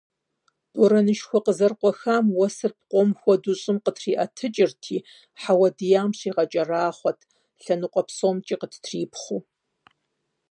Борэнышхуэ къызэрыкъуэхам уэсыр пкъом хуэдэу щӀым къытриӀэтыкӀырти, хьэуа диям щигъэкӀэрахъуэрт, лъэныкъуэ псомкӀи къыттрипхъэу.